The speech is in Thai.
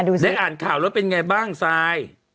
ได้อ่านข่าวแล้วเป็นไงบ้างซาย